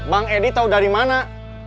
bang edi tahu dari mana